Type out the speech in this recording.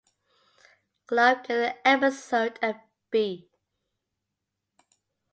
Club gave the episode a B.